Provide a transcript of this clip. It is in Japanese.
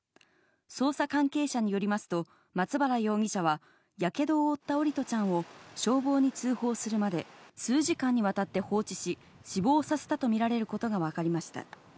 捜査関係者によりますと、松原容疑者は、やけどを負った桜利斗ちゃんを、消防に通報するまで、数時間にわたって放置し、死亡させたと見られることが分かりました。